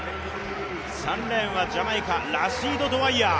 ３レーンはジャマイカラシード・ドウァイヤー。